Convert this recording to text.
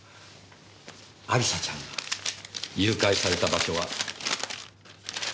亜里沙ちゃんが誘拐された場所は。